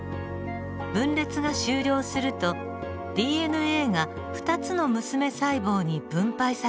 分裂が終了するとＤＮＡが２つの娘細胞に分配されています。